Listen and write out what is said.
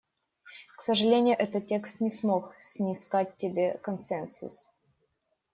К сожалению, этот текст не смог снискать себе консенсус.